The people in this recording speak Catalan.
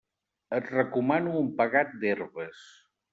Et recomano un pegat d'herbes.